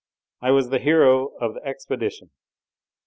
I was the hero of the expedition.